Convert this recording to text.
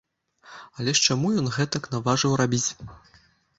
Але ж чаму ён гэтак наважыў рабіць?